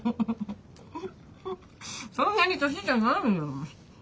そんなに年じゃないよ。